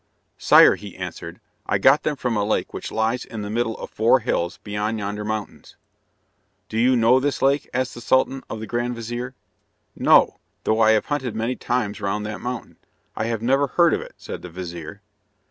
"Sire," he answered, "I got them from a lake which lies in the middle of four hills beyond yonder mountains." "Do you know this lake?" asked the Sultan of the grand vizir. "No; though I have hunted many times round that mountain, I have never heard of it," said the vizir.